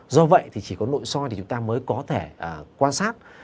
do vậy thì chỉ có nội soi thì chúng ta mới có thể quan sát